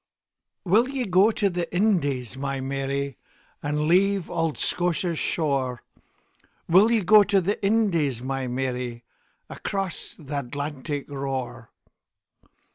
WILL ye go to the Indies, my Mary, And leave auld Scotia's shore? Will ye go to the Indies, my Mary, Across th' Atlantic roar?